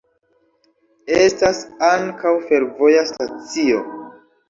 Estas ankaŭ fervoja stacio.